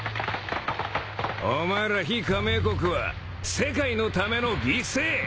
お前ら非加盟国は世界のための犠牲。